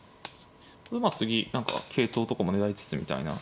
まあ次何か桂頭とかも狙いつつみたいな。